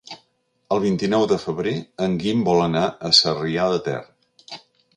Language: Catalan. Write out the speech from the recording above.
El vint-i-nou de febrer en Guim vol anar a Sarrià de Ter.